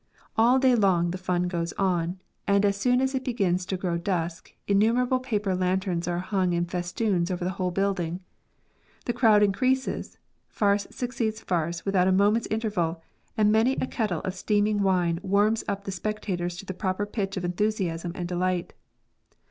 All day long the fun goes on, and as soon as it begins to grow dusk innumerable paper lanterns are hung in festoons over the whole building. The crowd increases, farce succeeds farce without a moment's interval, and many a kettle of steaming wine warms up the specta tors to the proper pitch of enthusiasm and delight.